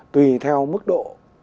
tùy theo mức độ